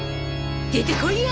出てこいや！